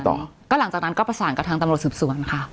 ต่อก็หลังจากนั้นก็ประสานกับทางตำรวจสืบสวนค่ะ